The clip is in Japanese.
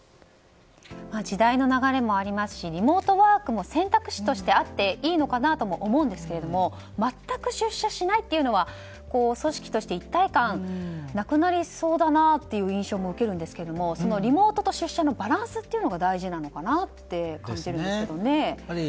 時代の流れもありますしリモートワークも選択肢としてあっていいのかなと思うんですけど全く出社しないというのは組織として一体感がなくなりそうだなという印象を受けるんですけどリモートと出社のバランスが大事なのかなって感じるんですけどね。